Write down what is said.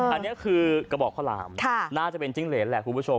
อันนี้คือกระบอกข้าวหลามน่าจะเป็นจิ้งเหรนแหละคุณผู้ชม